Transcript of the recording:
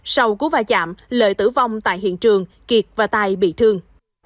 sau cú va chạm lợi tử vong tại hiện trường kiệt và tài bị thương